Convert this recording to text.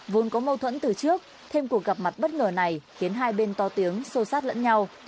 vốn có mâu thuẫn từ trước thêm cuộc gặp mặt bất ngờ này khiến hai bên to tiếng sô sát lẫn nhau